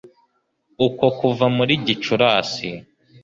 uko kuva muri Gicurasi